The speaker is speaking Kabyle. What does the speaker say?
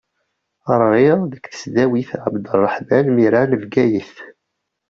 Ɣriɣ deg tesdawit Ɛebderreḥman Mira n Bgayet.